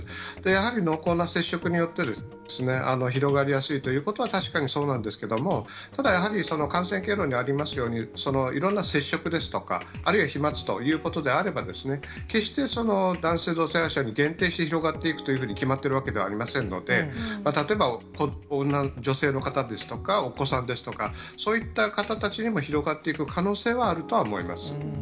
やはり濃厚な接触によって広がりやすいということは確かにそうなんですけれども、ただやはり、感染経路にありますように、いろんな接触ですとか、あるいは飛まつということであれば、決して男性の同性愛者に限定して広がっていくというふうに決まっているわけではありませんので、例えば女性の方ですとか、お子さんですとか、そういった方たちにも広がっていく可能性はあるとは思います。